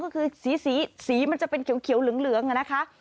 ก็คือสีมันจะเป็นเขียวเหลืองนะคะ